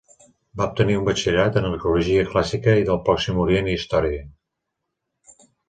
Va obtenir un Batxillerat en Arqueologia Clàssica i del Pròxim Orient i Història.